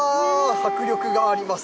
迫力があります。